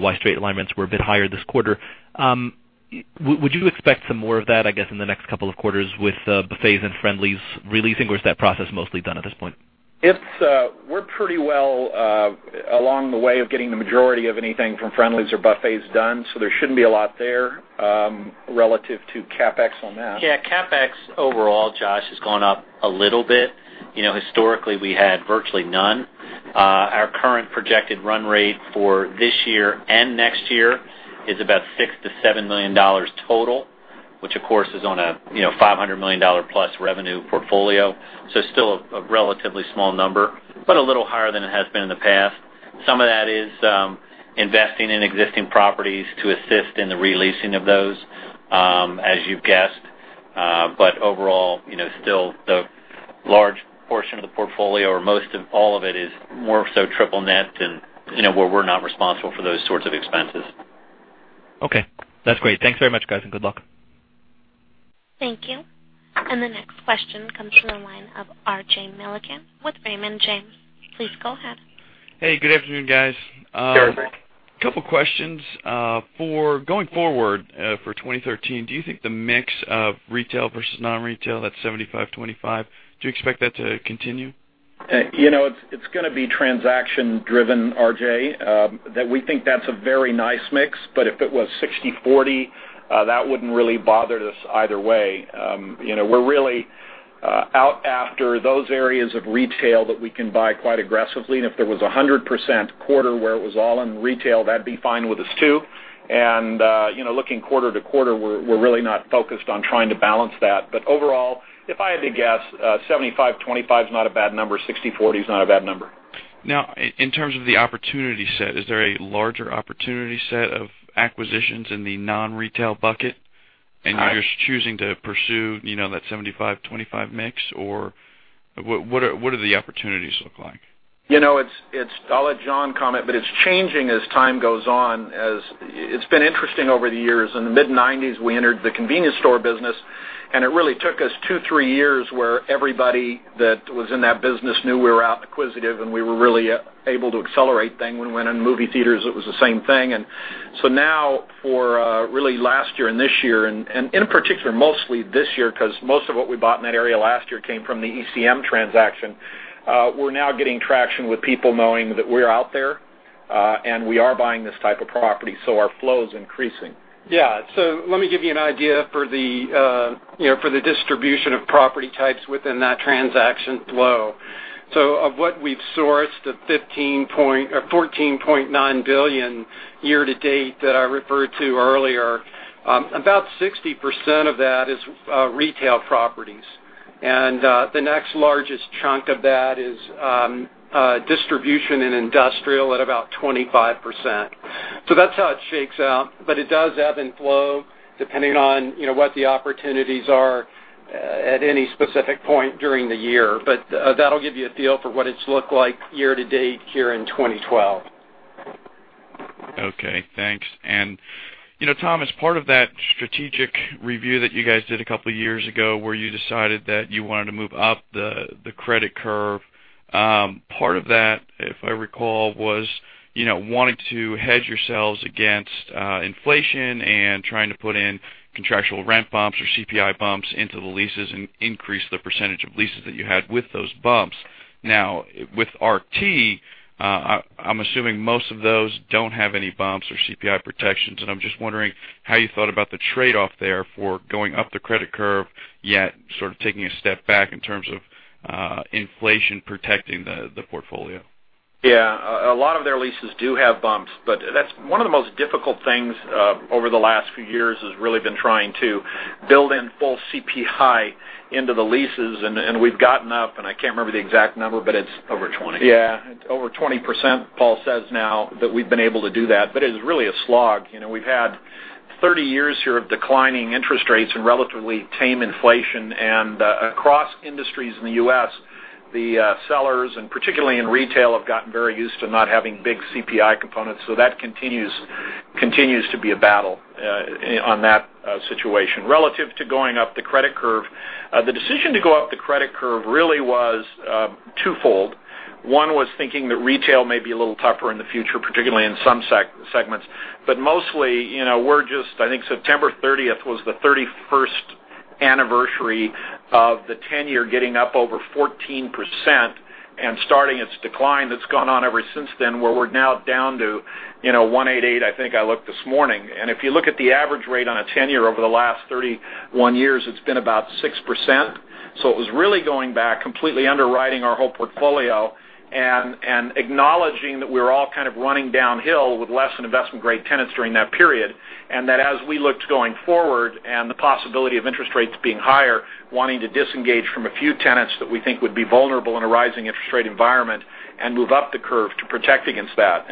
why straight-line rents were a bit higher this quarter. Would you expect some more of that, I guess, in the next couple of quarters with Buffets and Friendly's releasing, or is that process mostly done at this point? We're pretty well along the way of getting the majority of anything from Friendly's or Buffets done. There shouldn't be a lot there relative to CapEx on that. Yeah, CapEx overall, Josh, has gone up a little bit. Historically, we had virtually none. Our current projected run rate for this year and next year is about $6 million to $7 million total, which of course, is on a $500 million-plus revenue portfolio. Still a relatively small number, but a little higher than it has been in the past. Some of that is investing in existing properties to assist in the re-leasing of those, as you've guessed. Overall, still the large portion of the portfolio or most of all of it is more so triple net and where we're not responsible for those sorts of expenses. Okay. That's great. Thanks very much, guys, and good luck. Thank you. The next question comes from the line of RJ Milligan with Raymond James. Please go ahead. Hey, good afternoon, guys. Sure. A couple questions. Going forward, for 2013, do you think the mix of retail versus non-retail, that's 75/25, do you expect that to continue? It's going to be transaction-driven, RJ, that we think that's a very nice mix, if it was 60/40, that wouldn't really bother us either way. We're really out after those areas of retail that we can buy quite aggressively. If there was 100% quarter where it was all in retail, that'd be fine with us, too. Looking quarter to quarter, we're really not focused on trying to balance that. Overall, if I had to guess, 75/25 is not a bad number. 60/40 is not a bad number. In terms of the opportunity set, is there a larger opportunity set of acquisitions in the non-retail bucket? I- You're just choosing to pursue that 75/25 mix, or what do the opportunities look like? I'll let John comment, but it's changing as time goes on. It's been interesting over the years. In the mid-1990s, we entered the convenience store business, it really took us two, three years where everybody that was in that business knew we were out acquisitive, and we were really able to accelerate things. When we went in movie theaters, it was the same thing. Now for really last year and this year, and in particular, mostly this year, because most of what we bought in that area last year came from the ECM transaction, we're now getting traction with people knowing that we're out there, and we are buying this type of property, so our flow is increasing. Let me give you an idea for the distribution of property types within that transaction flow. Of what we've sourced of $14.9 billion year to date that I referred to earlier, about 60% of that is retail properties. The next largest chunk of that is distribution and industrial at about 25%. That's how it shakes out, but it does ebb and flow depending on what the opportunities are at any specific point during the year. That'll give you a feel for what it's looked like year to date here in 2012. Okay, thanks. Tom, as part of that strategic review that you guys did a couple of years ago where you decided that you wanted to move up the credit curve, part of that, if I recall, was wanting to hedge yourselves against inflation and trying to put in contractual rent bumps or CPI bumps into the leases and increase the percentage of leases that you had with those bumps. Now, with ARCT, I'm assuming most of those don't have any bumps or CPI protections, and I'm just wondering how you thought about the trade-off there for going up the credit curve, yet sort of taking a step back in terms of inflation protecting the portfolio. Yeah. A lot of their leases do have bumps, but that's one of the most difficult things over the last few years, has really been trying to build in full CPI into the leases, and we've gotten up, and I can't remember the exact number, but it's. Over 20. Yeah, over 20%, Paul says now, that we've been able to do that. It is really a slog. We've had 30 years here of declining interest rates and relatively tame inflation. Across industries in the U.S., the sellers, and particularly in retail, have gotten very used to not having big CPI components. That continues to be a battle on that situation. Relative to going up the credit curve, the decision to go up the credit curve really was twofold. One was thinking that retail may be a little tougher in the future, particularly in some segments. Mostly, I think September 30th was the 31st anniversary of the 10-year getting up over 14% and starting its decline that's gone on ever since then, where we're now down to 188, I think I looked this morning. If you look at the average rate on a 10-year over the last 31 years, it's been about 6%. It was really going back, completely underwriting our whole portfolio, and acknowledging that we were all kind of running downhill with less than investment-grade tenants during that period. That as we looked going forward, and the possibility of interest rates being higher, wanting to disengage from a few tenants that we think would be vulnerable in a rising interest rate environment and move up the curve to protect against that.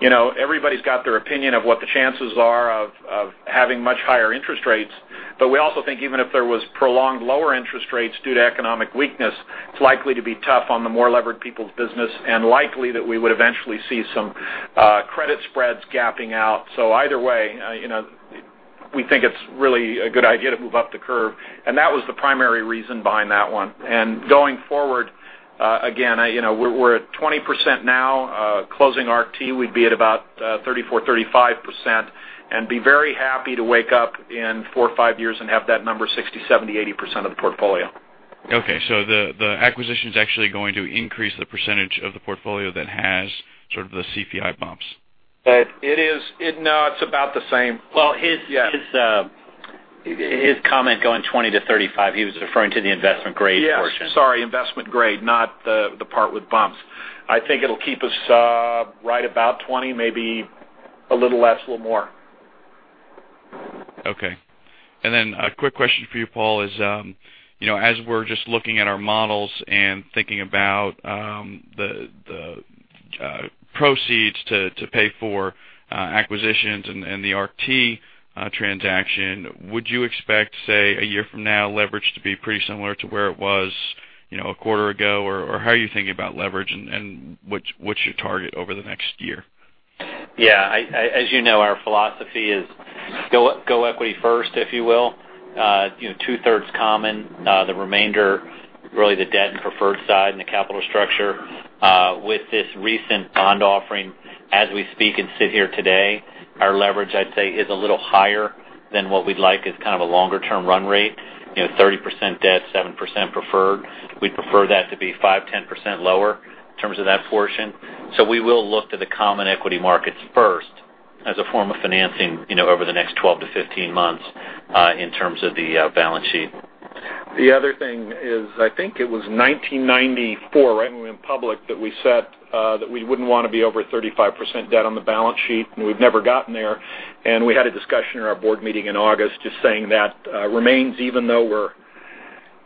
Everybody's got their opinion of what the chances are of having much higher interest rates. We also think even if there was prolonged lower interest rates due to economic weakness, it's likely to be tough on the more levered people's business, and likely that we would eventually see some credit spreads gapping out. Either way, we think it's really a good idea to move up the curve, that was the primary reason behind that one. Going forward, again, we're at 20% now. Closing ARCT, we'd be at about 34%-35%, and be very happy to wake up in four or five years and have that number 60%, 70%, 80% of the portfolio. The acquisition's actually going to increase the percentage of the portfolio that has sort of the CPI bumps. It is. No, it's about the same. Well, Yeah. His comment going 20%-35%, he was referring to the investment-grade portion. Yeah, sorry, investment-grade, not the part with bumps. I think it'll keep us right about 20%, maybe a little less, a little more. Okay. A quick question for you, Paul, is, as we're just looking at our models and thinking about the proceeds to pay for acquisitions and the ARCT transaction, would you expect, say, a year from now, leverage to be pretty similar to where it was a quarter ago, or how are you thinking about leverage, and what's your target over the next year? Yeah. As you know, our philosophy is go equity first, if you will. Two-thirds common, the remainder, really the debt and preferred side in the capital structure. With this recent bond offering, as we speak and sit here today, our leverage, I'd say, is a little higher than what we'd like as kind of a longer-term run rate. 30% debt, 7% preferred. We'd prefer that to be 5%-10% lower in terms of that portion. We will look to the common equity markets first as a form of financing over the next 12-15 months in terms of the balance sheet. The other thing is, I think it was 1994, right when we went public, that we said, that we wouldn't want to be over 35% debt on the balance sheet, and we've never gotten there. We had a discussion in our board meeting in August just saying that remains, even though we're,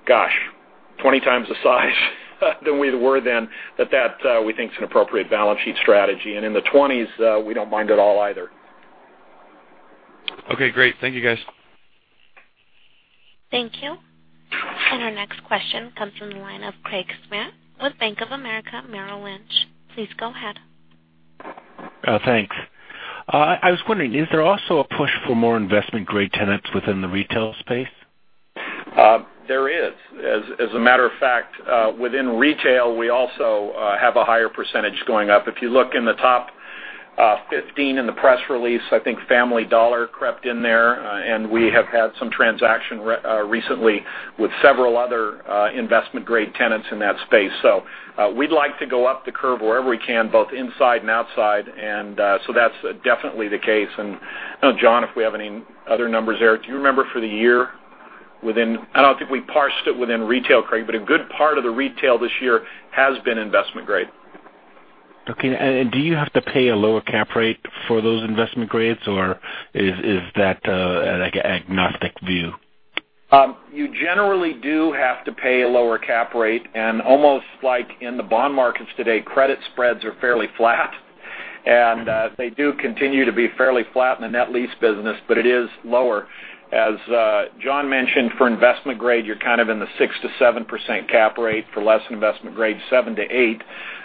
gosh, 20 times the size than we were then, that that we think is an appropriate balance sheet strategy. In the 20s, we don't mind at all either. Okay, great. Thank you, guys. Thank you. Our next question comes from the line of Craig Schmidt with Bank of America Merrill Lynch. Please go ahead. Thanks. I was wondering, is there also a push for more investment-grade tenants within the retail space? There is. As a matter of fact, within retail, we also have a higher percentage going up. If you look in the top 15 in the press release, I think Family Dollar crept in there. We have had some transaction recently with several other investment-grade tenants in that space. We'd like to go up the curve wherever we can, both inside and outside. That's definitely the case. I don't know, John, if we have any other numbers there. Do you remember for the year within-- I don't think we parsed it within retail, Craig, but a good part of the retail this year has been investment-grade. Okay, do you have to pay a lower cap rate for those investment grades, or is that like an agnostic view? You generally do have to pay a lower cap rate. Almost like in the bond markets today, credit spreads are fairly flat. They do continue to be fairly flat in the net lease business, but it is lower. As John mentioned, for investment-grade, you're kind of in the 6%-7% cap rate. For less than investment-grade,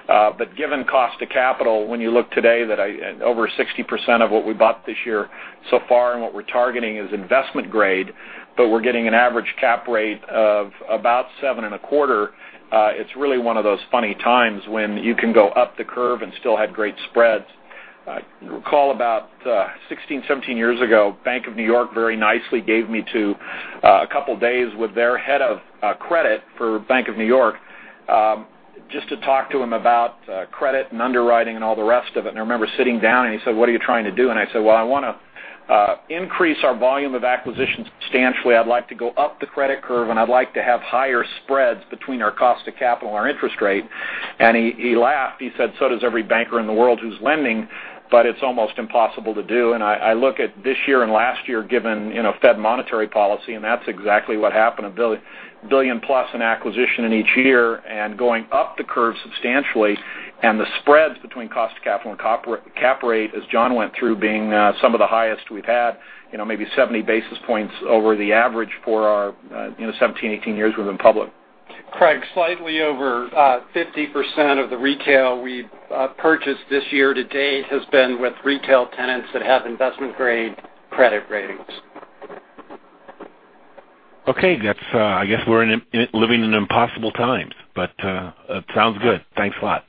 7%-8%. Given cost of capital, when you look today, over 60% of what we bought this year so far and what we're targeting is investment-grade, but we're getting an average cap rate of about seven and a quarter. It's really one of those funny times when you can go up the curve and still have great spreads. I recall about 16, 17 years ago, The Bank of New York very nicely gave me a couple days with their head of credit for The Bank of New York, just to talk to him about credit and underwriting and all the rest of it. I remember sitting down, and he said, "What are you trying to do?" I said, "Well, I want to increase our volume of acquisitions substantially. I'd like to go up the credit curve, and I'd like to have higher spreads between our cost of capital and our interest rate." He laughed. He said, "Does every banker in the world who's lending, but it's almost impossible to do." I look at this year and last year given Fed monetary policy, and that's exactly what happened. A billion-plus in acquisition in each year and going up the curve substantially, and the spreads between cost of capital and cap rate, as John went through, being some of the highest we've had. Maybe 70 basis points over the average for our 17, 18 years we've been public. Craig, slightly over 50% of the retail we've purchased this year to date has been with retail tenants that have investment-grade credit ratings. Okay. I guess we're living in impossible times, but it sounds good. Thanks a lot.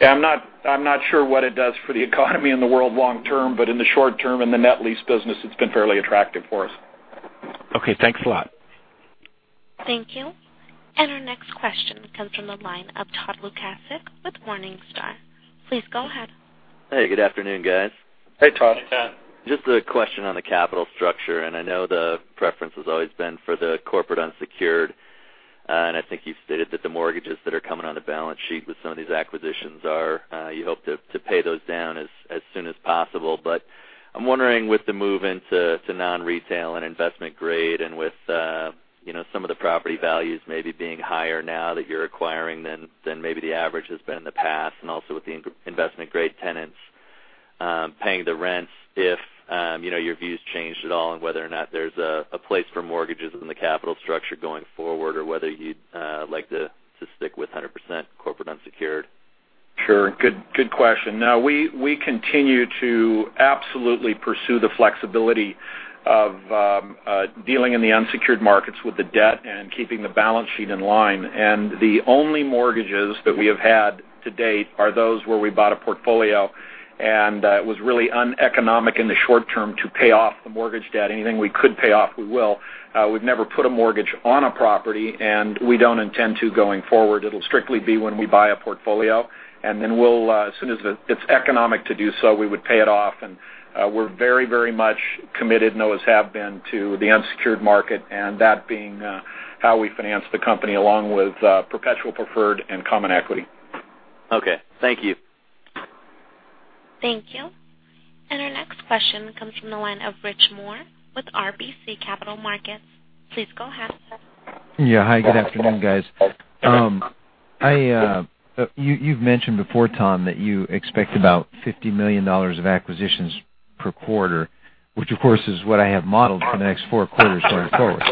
Yeah, I'm not sure what it does for the economy and the world long term, but in the short term, in the net lease business, it's been fairly attractive for us. Okay, thanks a lot. Thank you. Our next question comes from the line of Todd Lukasik with Morningstar. Please go ahead. Hey, good afternoon, guys. Hey, Todd. Just a question on the capital structure. I know the preference has always been for the corporate unsecured. I think you've stated that the mortgages that are coming on the balance sheet with some of these acquisitions are, you hope to pay those down as soon as possible. I'm wondering, with the move into non-retail and investment-grade, and with some of the property values maybe being higher now that you're acquiring than maybe the average has been in the past, and also with the investment-grade tenants paying the rents, if your view's changed at all on whether or not there's a place for mortgages in the capital structure going forward, or whether you'd like to stick with 100% corporate unsecured. Sure. Good question. No, we continue to absolutely pursue the flexibility of dealing in the unsecured markets with the debt and keeping the balance sheet in line. The only mortgages that we have had to date are those where we bought a portfolio, and it was really uneconomic in the short term to pay off the mortgage debt. Anything we could pay off, we will. We've never put a mortgage on a property. We don't intend to going forward. It'll strictly be when we buy a portfolio. As soon as it's economic to do so, we would pay it off. We're very much committed, and always have been, to the unsecured market, and that being how we finance the company, along with perpetual preferred and common equity. Okay. Thank you. Thank you. Our next question comes from the line of Rich Moore with RBC Capital Markets. Please go ahead. Yeah. Hi, good afternoon, guys. You've mentioned before, Tom, that you expect about $50 million of acquisitions per quarter, which of course is what I have modeled for the next four quarters going forward.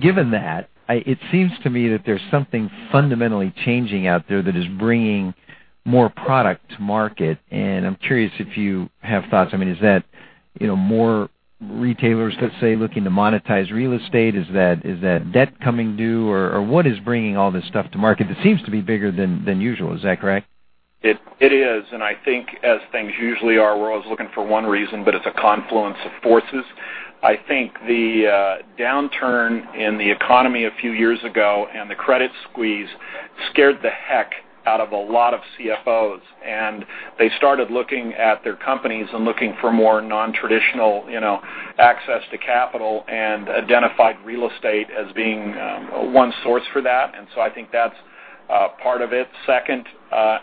Given that, it seems to me that there's something fundamentally changing out there that is bringing more product to market. I'm curious if you have thoughts. Is that more retailers, let's say, looking to monetize real estate? Is that debt coming due, or what is bringing all this stuff to market that seems to be bigger than usual? Is that correct? It is, I think as things usually are, we're always looking for one reason, but it's a confluence of forces. I think the downturn in the economy a few years ago and the credit squeeze scared the heck out of a lot of CFOs, they started looking at their companies and looking for more non-traditional access to capital and identified real estate as being one source for that, so I think that's part of it. Second,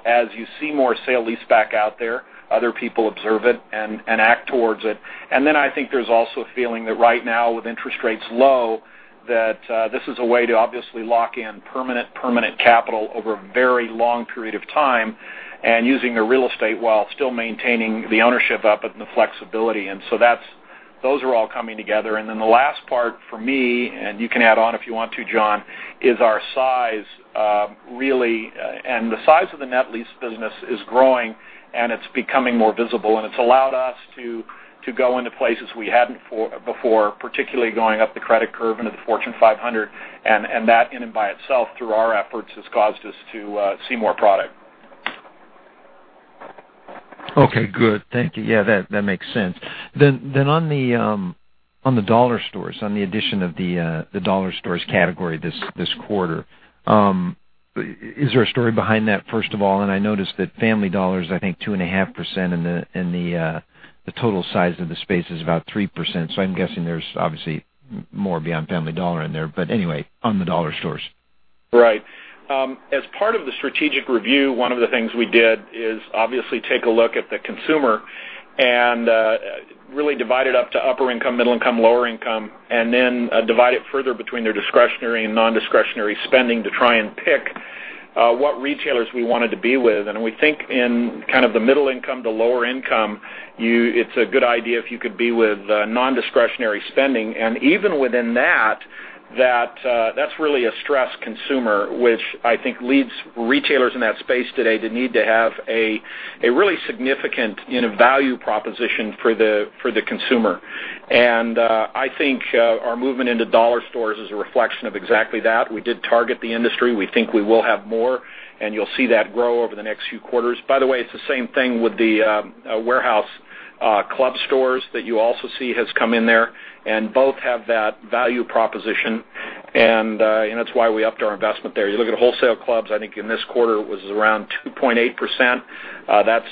as you see more sale-leaseback out there, other people observe it and act towards it. I think there's also a feeling that right now, with interest rates low, that this is a way to obviously lock in permanent capital over a very long period of time, and using the real estate while still maintaining the ownership up and the flexibility. So those are all coming together. The last part for me, and you can add on if you want to, John, is our size, really. The size of the net lease business is growing, it's becoming more visible, it's allowed us to go into places we hadn't before, particularly going up the credit curve into the Fortune 500. That, in and by itself, through our efforts, has caused us to see more product. Okay, good. Thank you. Yeah, that makes sense. On the dollar stores, on the addition of the dollar stores category this quarter, is there a story behind that, first of all? I noticed that Family Dollar's, I think, 2.5% and the total size of the space is about 3%. I'm guessing there's obviously more beyond Family Dollar in there. Anyway, on the dollar stores. Right. As part of the strategic review, one of the things we did is obviously take a look at the consumer and really divide it up to upper income, middle income, lower income, and then divide it further between their discretionary and non-discretionary spending to try and pick what retailers we wanted to be with. We think in kind of the middle income to lower income, it's a good idea if you could be with non-discretionary spending. Even within that's really a stressed consumer, which I think leaves retailers in that space today that need to have a really significant value proposition for the consumer. I think our movement into dollar stores is a reflection of exactly that. We did target the industry. We think we will have more, and you'll see that grow over the next few quarters. By the way, it's the same thing with the warehouse club stores that you also see has come in there, and both have that value proposition, and that's why we upped our investment there. You look at wholesale clubs, I think in this quarter, it was around 2.8%. That's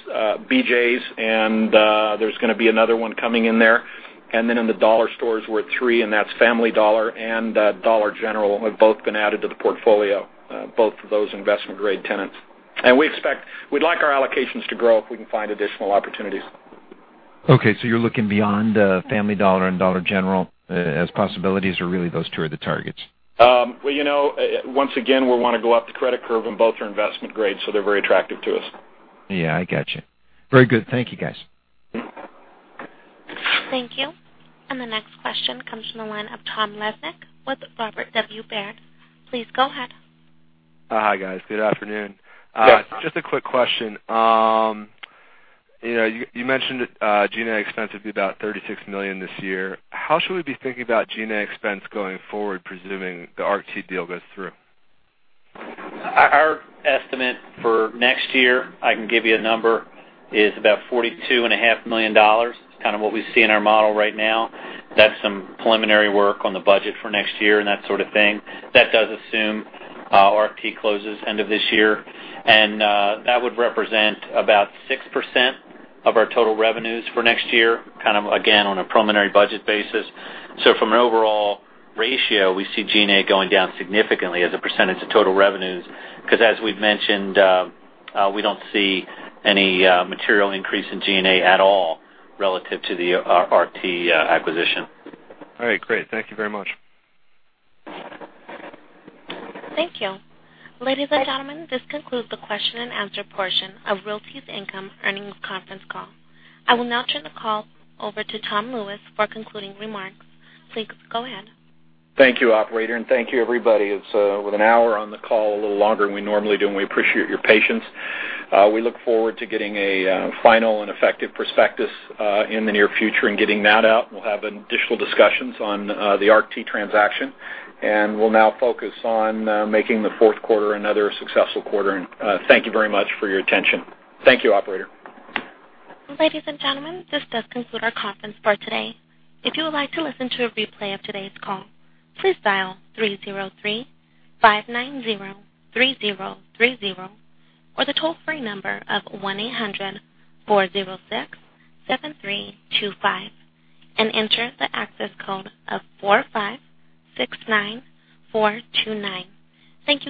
BJ's, and there's going to be another one coming in there. In the dollar stores, we're at 3%, and that's Family Dollar and Dollar General have both been added to the portfolio, both of those investment-grade tenants. We'd like our allocations to grow if we can find additional opportunities. Okay, you're looking beyond Family Dollar and Dollar General as possibilities, or really, those two are the targets? Once again, we want to go up the credit curve, and both are investment-grade, so they're very attractive to us. Yeah, I got you. Very good. Thank you, guys. Thank you. The next question comes from the line of Tom Lesnick with Robert W. Baird. Please go ahead. Hi, guys. Good afternoon. Yes. Just a quick question. You mentioned G&A expense would be about $36 million this year. How should we be thinking about G&A expense going forward, presuming the ARCT deal goes through? Our estimate for next year, I can give you a number, is about $42.5 million. It's kind of what we see in our model right now. That's some preliminary work on the budget for next year and that sort of thing. That does assume our ARCT closes end of this year, and that would represent about 6% of our total revenues for next year, kind of, again, on a preliminary budget basis. From an overall ratio, we see G&A going down significantly as a percentage of total revenues, because as we've mentioned, we don't see any material increase in G&A at all relative to the ARCT acquisition. All right, great. Thank you very much. Thank you. Ladies and gentlemen, this concludes the question and answer portion of Realty Income earnings conference call. I will now turn the call over to Tom Lewis for concluding remarks. Please go ahead. Thank you, operator, and thank you, everybody. It's 1 hour on the call, a little longer than we normally do, and we appreciate your patience. We look forward to getting a final and effective prospectus in the near future and getting that out. We'll have additional discussions on the ARCT transaction, and we'll now focus on making the fourth quarter another successful quarter. Thank you very much for your attention. Thank you, operator. Ladies and gentlemen, this does conclude our conference for today. If you would like to listen to a replay of today's call, please dial 303-590-3030, or the toll-free number of 1-800-406-7325, and enter the access code of 4569429. Thank you.